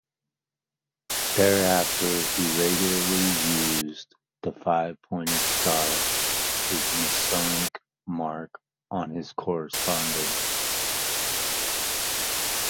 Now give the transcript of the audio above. Thereafter, he regularly used the five pointed star, his masonic mark, on his correspondence.